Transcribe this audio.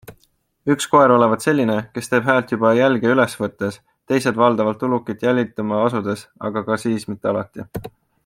Üks koer olevat selline, kes teeb häält juba jälge üles võttes, teised valdavalt ulukit jälitama asudes, aga ka siis mitte alati.